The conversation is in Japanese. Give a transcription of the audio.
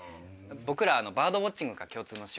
僕らバードウオッチングが共通の趣味で。